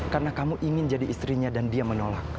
karena kamu ingin jadi istrinya dan dia menolak